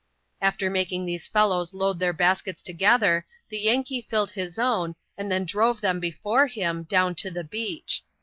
After making these fellows load their baskets together, the Yankee filled his own, and then drove them before him, down to the beach.